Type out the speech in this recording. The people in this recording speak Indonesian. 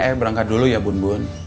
ae berangkat dulu ya bun bun